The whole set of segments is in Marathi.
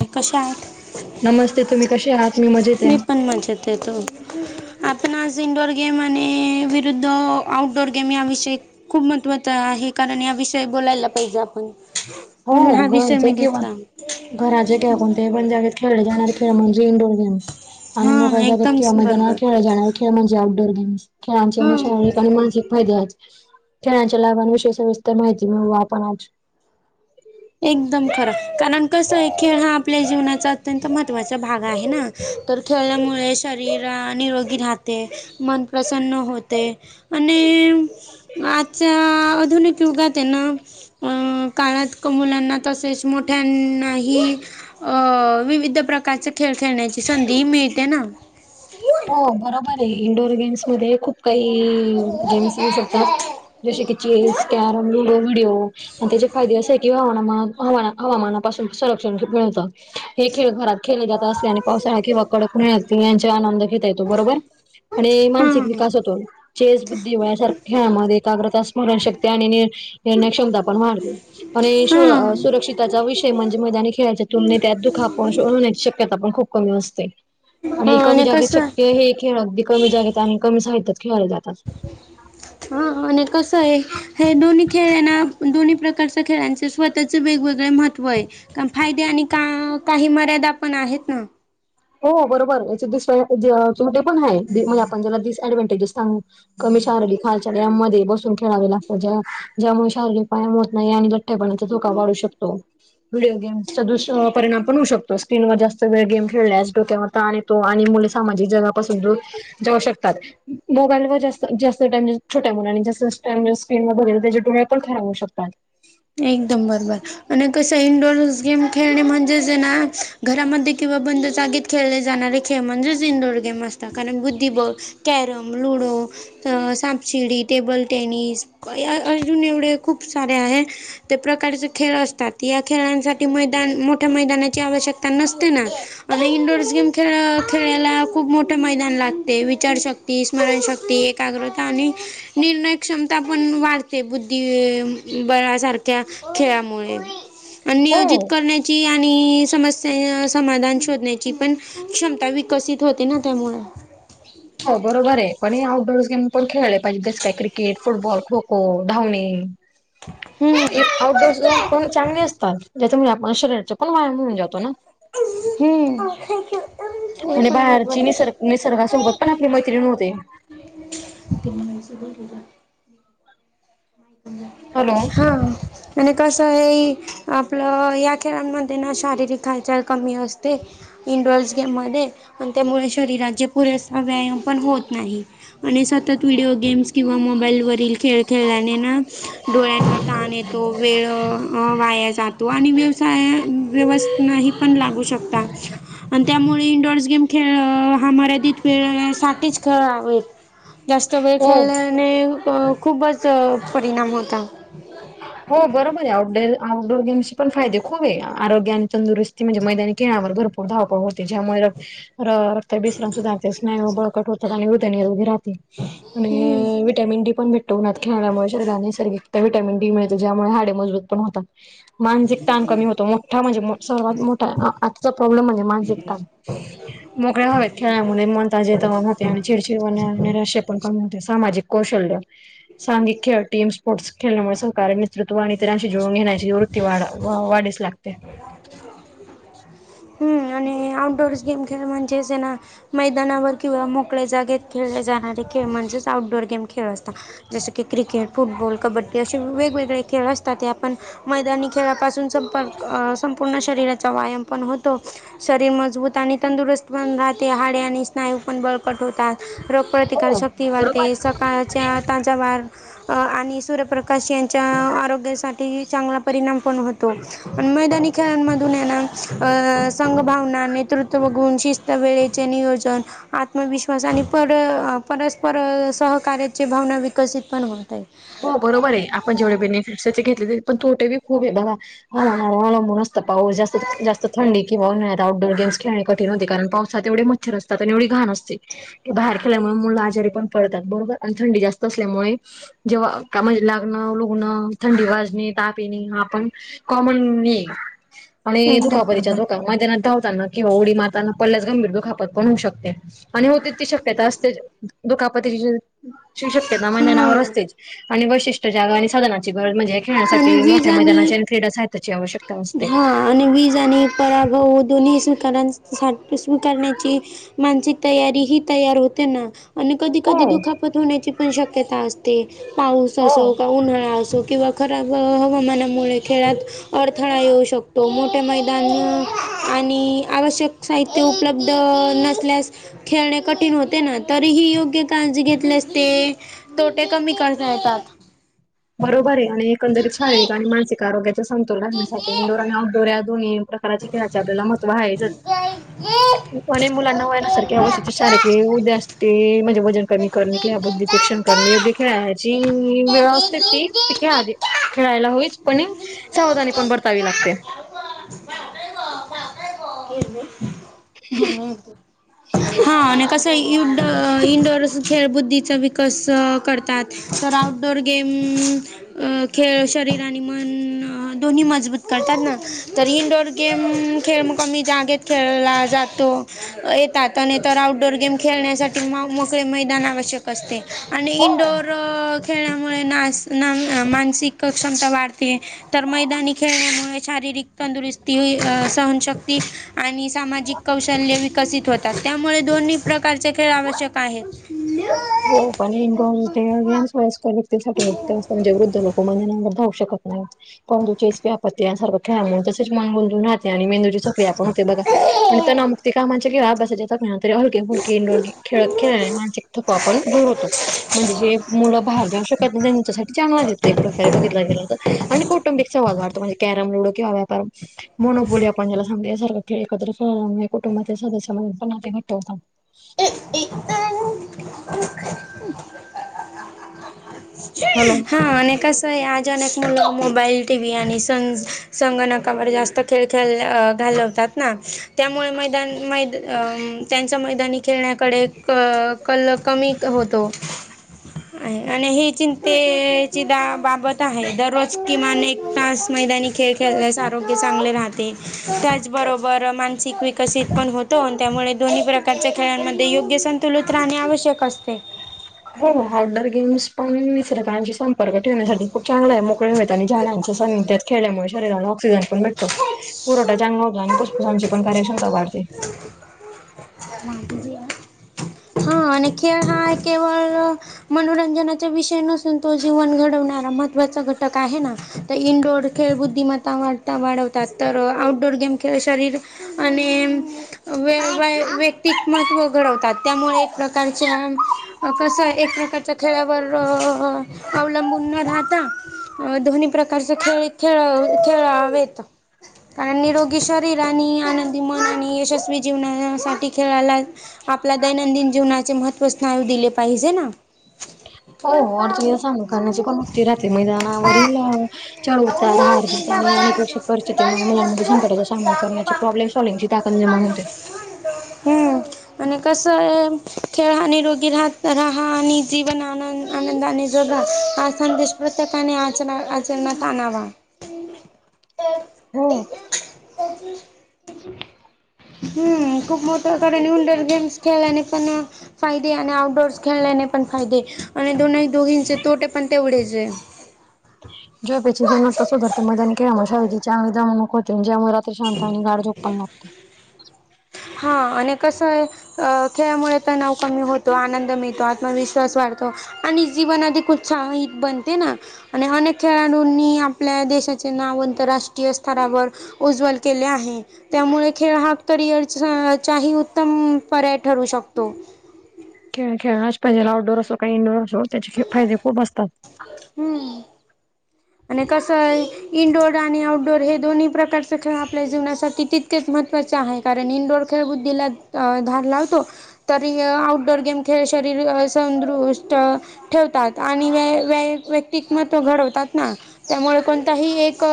ते कशा आहात? नमस्ते तुम्ही कशे आहात? मी मजेते. तेेत आपण आज इंडोअर गेम अ आणि विरुद्ध आउटडोर गेम या विषयी खूप महत्त्वाच आहे, कारण या विषयी बोलायला पाहिजे आपण. म्हणून हा विषय मी घेतला. घराच्या किंवा कोणत्याही बंद जागेत खेळले जाणारे खेळ, म्हणजे इंडोअर गेम्स. आणि मोगळ्या हा जागेत एकदम खेळ, मैदानावर बरोबर खेळले जाणार खेळ म्हणजे आउटडोर गेम्स. खेळांचे आणि हा शारीरिक आणि मानसिक फायदे आहेत. खेळांच्या लाभांविषयी सविस्तर माहिती मिळू आपण आज. एकदम खरं कारण कसं य, खेळ हा आपल्या जीवनाचा अत्यंत महत्त्वाचा भाग आहे ना? तर खेळल्यामुळे शरीर आ निरोगी राहते, मन प्रसन्न होते. आणि ई म आजच्या आधुनिक युगात आहे ना, काळात क् मुलांना, तसेच मोठ्यांनाही अ विविध प्रकारचे खेळ खेळण्याची संधी मिळते ना? हो बरोबर ये इंडोअर गेम्समध्ये खूप काही गेम्स येऊ शकतात, जसे की चेस, कॅरम, ल्युडो, व्हिडिओ. अन् त्याचे फायदे असे आहे की हवानामान हवा हवामानापासून संरक्षण खूप मिळतं. हे खेळ घरात खेले जात असते आणि पावसाळा किंवा कडक उन्हाळ्यात पण यांचे आनंद ता येतो बरोबर आणि हा मानसिक विकास होतो. चेस बुद्धीबळ यासारख्या मध्ये एकाग्रता स्मरण शक्ती आणि नि निर्णय क्षमता पण मारते. आणि हा शूळ हा सुरक्षिताचा विषय म्हणजे मैदानी खेळायच्या तुलनेत यात दुखाप होण्याची शक्यता पण खूप कमी असते. आणि कमी जागेत शक्य हे खेळ अगदी कमी जागेत आणि कमी साहित्यात खेळाले जातात. हा आणि कसं आहे हे दोन्ही खेळये ना दोन्ही प्रकारच्या खेळांचे स्वतःचे वेगवेगळे मह त्वय कारण फायदे आणि का काही मर्यादा पण आहेत ना. हो बरोबर याचे दुष्परी जे तोटे पण हाय मजे आपण ज्याला डिएडव्हनटेजेस सांगू. कमी शारीरिक हालचालमध्ये बसून खेळावे लाग ज्या ज्यामुळे शारीरिक पायाम होत नाही आणि लठ्ठ्यापणाचा धोका वाढू शकतो. व्हिडिओ गेम् चा दुष्पपरिणाम पण होऊ शकतो स्क्रीनवर जास्त वेळ गेम खेळल्यास डोक्यावर ताण येतो आणि मुले सामाजिक जगापासून दूर जाऊ शकतात. मोबाईल व जास्त जास्त टाइम छोट्या मुलाने जस [unintelligible] त्याजे डोळे पण खराब होऊ शकतात. एकदम बरोबर. अन् कसं इंडोअर गेम खेळणे म्हणजे ना घरामध्ये किंवा बंद जागेत खेळले जाणारे खेळ म्हणजेच इनडोर गेम असतात कारण बुद्धिबळ, कॅरम, लुडो त सापशिडी, टेबल टेनिस कया अजून एवढे खूप सारे आहे. ते प्रकारचे खेळ असतात या खेळांसाठी मैदान मोठ्या मैदानाची आवश्यकता नसते ना. अन् इंडोरस गेम खेळ खेळायला खूप मोठं मैदान लागते विचार शक ती स्मरणशक्ती, एकाग्रता आणि निर्णय क्षमता पण वाढते बुद्धीबळा सारख क्या खेळामुळे अन् नियोजित हो करण्या ची आणि समस्या समाधान शोधण्याची पण क्षमता विकसित होते ना त्यामुळे. हो बरोबरये पण हे आउटडोअर गेम्स पण खेळले पाजे जस काय क्रिकेट फुटबॉल, खो खो, धावणे. हम्म. हे आऊटडोअर्स गेम पण चांगले असतात त्या्याच्यामुळे आपण शरीराचा पण व्यायाम होऊन जातो ना. हम्म. ते आणि पण बाहेरची बरोबर निसर्ग निसर्गासोबत पण आपली मैत्रीण होते. हॅलो हा. आणि कसं हे आपलं या खेळांमध्ये ना शारीरिक हालचाल कमी असते. इंडोर्स गेम मध्ये आणि त्यामुळे शरीराचे पुरेसा व्यायाम पण होत नाही. आणि सतत व्हिडिओ गेम्स किंवा मोबाईल वरील खेळ खेळल्याने ना डोळ्यांवर ताण येतो वेळ वाया जातो आणि व्यवसाय व्यवस्थनही पण लागू शकता आणि त्यामुळे इंडोअर्स गेम खेळ हा मर्यादित वेळसाठीच खेळावे. जास्त वेळ हो खेळल्याने खूपच परिणाम होता. हो बरोबरये आउटर आउटडोर गेम्सची पण फायदे खूप आहे आरोग आणि तंदुरुस्ती म्हणजे मैदाने खळावर भरपूर खूप धावपळ होती ज्यामुळे र रक्त बिश्रम सुधाते स्नायु बळकट होतात आणि उदनीरोगे राहते हम्म आणि व्हिटॅमिन डी पण भेटतो उनात खेळल्यामुळे शरीराने सैर्गिक व्हिटॅमिन डी मिळते ज्यामुळे हाडे मजबूत पण होतात. मानसिक ताण कमी होतो, मोठा म्हणजे मो सर्वात मोठा, आ-आजचा प्रॉब्लेम म्हणजे मानसिक ताण. मोकळ्या हवेत खेळल्यामुळे मन ताजे तवाने होते, आणि चिडचिड व ने-नैराश्य पण कमी होते, सामाजिक कौशल्य, सांघिक खेळ, टीम स्पोर्टस खेळल्यामुळे सहकार्य मि नेतृत्व आणि इतरांशी जुळून घेण्याची वृत्ती वाड-वाढीस लागते. हम्म आणि आउटडोरस गेम खेळ म्हणजेच ना? मैदानावर किंवा मोकळ्या जागेत खेळले जाणारे खेळ, म्हणजे च आऊटडोअर खेळ असतात. जसं की क्रिकेट, फुटबॉल, कबड्डी असे वेगवेगळे खेळ असतात, ते आपण मैदानी खेळापासून संपक-संपूर्ण शरीराचा व्यायाम पण होतो. शरीर मजबूत आणि तंदुरुस्त पण राहते, हाडे आणि स्नायू पण बळकट होतात. रोगप्रतिकार शक्ती बरोबर वाढते, आहे पण सकाळच्या तांजा वार [inaudible] अ आणि सूर्यप्रकाश यांच्या आरोग्यासाठी चांगला परिणाम पण होतो. पण मैदानी खेळांमधून येना, अ संघ भावना नेतृत्व गुन शिष [inaudible] त, वेळेचे नियोजन आत्मविश्वास आणि पर-परस्पर सहकार्याची भावना विकसित पण होत आहे. हॊ बरोबर ये, आपण जेवढे बेनिफिट्स त्याचे घेतले तरी, पण तो ते बी [unintelligible] दादा माझा नवरा माझ्या [unintelligible] त पाऊस, जास्त-जास्त थंडी किंवा उन्हाळ्यात आउटडोअर गेम्स खेळणे कठीण होते, कारण पावसात एवडे मच्छर असतात आणि एवडी घाण असते. बाहेर खेळल्यामुळे मुल आजारी पण पडतात, बरोबर आणि थंडी जास्त असल्यामुळे जेव्हा अ का [unintelligible] म्हणजे लागणं, लुगणं, थंडी वाजणे, ताप येणे, हा पण कॉमन हे. आणि एकदम दुखापरीच्या बरोबर दुखा मैदानात धावताना किंवा उडी मारताना पडल्यास गंभीर दुखापत पण होऊ शकते. आणि होते ती शक्यता असतेच, दुखापतीची शक्यता मैदानावर हम्म असते. आणि वैशिष्ट्य जागा, आणि साधनाची गरज म्हणजे आणि खेळण्यासाठी मोठ्या मैदानाची आणि क्रीडा साहित्याची आवश्यक हां आणि वीज आणि पराभव दोन्ही स्वीकारां- स्वीकारण्याची मानसिक तयारी ही तयार होते ना आणि कधी-कधी हो. दुखापत होण्याची पण शक्यता असते. ते पाऊस असो, का उन्हाळा असो किंवा खराब हवामानामुळे खेळात अडथळा येऊ शकतो, मोठे मैदान आणि आवश्यक साहि त्य उपलब्ध नसल्यास खेळणे कठीण होते ना, तरीही योग्य काळजी घेतल्यास ते तोटे कमी करता येतात. बरोबर ये आणि एकंदरीत शारीरिक आणि मानसिक आरोग्याचा समतोल राखण्यासाठी इंडोर आणि आउटडोर या दोन्ही प्रकाराचे खेळाचे आपल्याला महत्व हायच च. को मुलांना [unintelligible] व्हाण्यासारखी अवश्यची शारीरिक उद्या असते, म्हणजे वजन कमी करणे किंवा बुद्धी तीक्ष्ण करणे, योग्य खेळाची [inaudible] अस ती [inaudible] खेळाली, खेळायला होईच पण सावधानी पण बरतावी लागते. [unintelligible] [unintelligible] हां आणि कस? इन-इनडोर खेळ बुद्धीचा विकस करतात, तर आउटडोअर गेम म अ खेळ शरीर आणि मन दोन्ही मजबूत करतात ना, तर इनडोर गेम खेळ मग कमि जागेत खेळला जातो. येतात आणि तर आउटडोर गेम खेळण्यासाठी म म मोकळे मैदान आवश्यक असते आणि हो इंडोअर खेळण्यामुळे ना अस ना मानसिक क्षमता वाढते. तर मैदानी खेळण्यामुळे शारीरिक तंदुरुस्ती, सहनशक्ती आणि सामाजिक कौशल्य विकसित होतात. त्यामुळे दोन्ही प्रकारचे खेळ आवश्यक- आहे. हो पण इंडोअर गेम व व्यक्तीसाठी [unintelligible] [unintelligible] [unintelligible] री हलके फुलके इंडोर खेळ खेळल्याने मानसिक थकवा पण दूर होतो. म्हणजे जे मुलं बाहेर जाऊ शकत नाही. त्यांच्यासाठी चांगलंच आहे एकप्रकारे बघितलं गेलं तर. आणि कौटुंबिक सहवास वाढतो म्हणजे कॅरम [unintelligible] सारखं खेळ एकत्र खेळल्यामुळे कुटुंबातील सदस्य म्हणून पण [unintelligible] [unintelligible] हॅलो हा आणि कस - [unintelligible] मुलं मोबाईल, टी व्ही आणि सं संगणकावर जास्त खेळ खेळ घालवतात. त्यामुळे मैदान अ त्यांचा मैदानी - खेळण्याकडे क कल कमी होतो. आहे. आणि ही चिंतेची द बाबच आहे. दररोज किमान एक तास- मैदानी खेळ खेळल्यास आरोग्य चांगले राहते. त्याचबरोबर मान - विकसित पण होतो आणि त्यामुळे दोन्ही प्रकारचे- खेळांमध्ये योग्य संतुलित राहणे आवश्यक असते. हो. आउटडोर गेम्स पण [unintelligible] प्रगती होण्यासाठी खूप चांगलं आहे. मोकळ्या हवेत आणि झाडांच्या सांनिध्यात खेळल्यामुळे. शरीराला ऑक्सिजन पण भेटतो. पुरवठा चांगला होतो आणि फुफूसांची पण कार्यक्षमता वाढते. हा. आणि खेळ हा केवळ- मनोरंजनाचा विषय नसून तो जीवन घडवणारा महत्त्वाचा घटक आहे ना. तर इनडोअर खेळ बुद्धिमत्ता वाढता वाढवतात. तर आउटडोर गेम खेळ शरीर- आणि [unintelligible] [unintelligible] घडवतात. त्यामुळे एक प्रकारच्या, कसय - खेळावर अवलंबून न राहता दोन्ही प्रकारचा खेळ- खेळ खेळावेत. कारण निरोगी शरीर आणि आनंदी मन आणि यशस्वी जीवनासाठी- खेळाला आपला दैनंदिन जीवनाचे महत्त्व स्थान दिले पाहिजे ना? हो. हो. आणि तुला सांगू का? [unintelligible] मैदानावरील चढ उतार, हारजीत आणि अनपेक्षित परिस्थितीमुळे मुलांमध्ये संकटाचा सामना करण्याची- प्रॉब्लेम सॉलव्हिंगची ताकत निर्माण होते. हं. आणि कसं आहे? खेळानी निरोगी राहा आणि जीवन आनंद- आनंदाने जगा. हा संदेश प्रत्येकाने आचरणात आणावा. तर हो. हम्म. खूप मोठ्या [unintelligible] गेम्स खेळल्याने पण फायदे आणि आउटडोअर्स- खेळल्याने पण फायदे आणि दोनही दोघींचे तोटे पण तेवढेच आहे. झोपेची गुणवत्ता सुधारते. [unintelligible] ज्यामुळे शांत आणि गाढ झोप पण लागते. हा. आणि कसं आहे? अ? खेळामुळे तणाव कमी होतो, आनंद मिळतो, आत्मविश्वास वाढतो. आणि जीवन अधिक उत्साहित बनते ना? आणि अनेक खेळाडूंनी आपल्या देशाचे नाव आंतरराष्ट्रीय स्तरावर उज्ज्वल केले आहे. त्यामुळे खेळ हा करिअर चाही उत्तम पर्याय ठरू शकतो. खेळ खेळण्याच पाहिजे आउडोर असो का इंडोअर असो त्याचे ख फादे खूप असतात. हम्म. आणि कसय इनडोअर आणि आउटडोअर हे दोन्ही प्रकारचे खेळ आपल्या जीवनासाठी ति तेत महत्त्वाचे आहे कारण इंडोर खेळबुद्धीला धार लावतो तरी आउटडोअर गेम खेळ शरीर संदुष्ट ठेवतात आणि व व व्यक्तिकमत्व घडवतात ना. त्यामुळे कोणताही एक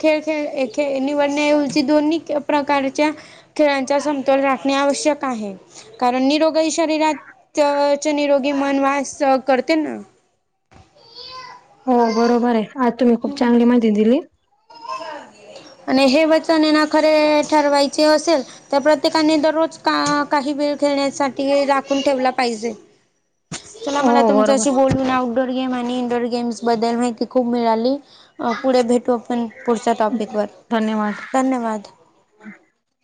खेळ खेळ खे निवडण्याऐवजी दोन्ही प्रकारच्या खेळांचा समतोल राखणे आवश्यक आहे. कारण निरोगाई शरीरातच निरोगी मन वास करते ना. हो बरोबर ये आज तुम्ही खूप चांगली माहिती दिली. आणि हे वचन येना खरे ठरवायचे असेल तर प्रत्येकाने दररोज का काही वेळ खेळण्यासाठी राखून ठेवला पाहिजे. चला हो मला बरोबर तुमच्याशी बोलून आव डोर गेम आणि इंडोअर गेम्स बदल माहिती खूप मिळाली पुढे भेटू आपण पुढच्या टॉपिक वर धन्यवाद धन्यवाद.